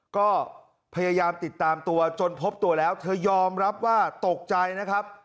ก็พยายามติดตามตัวจนพบตัวแล้วเธอยอมรับว่าตกใจนะครับ